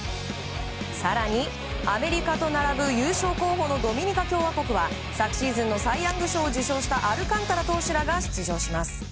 更に、アメリカと並ぶ優勝候補のドミニカ共和国は、昨シーズンのサイ・ヤング賞を受賞したアルカンタラ投手らが出場します。